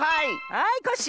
はいコッシー！